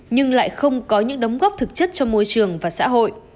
nhưng lại không có những đóng góp thực chất cho môi trường và xã hội